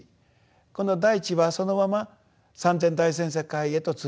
この大地はそのまま三千大千世界へと通じていく。